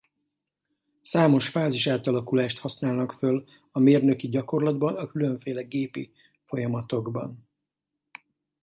Számos fázisátalakulást használnak föl a mérnöki gyakorlatban a különféle gépi folyamatokban.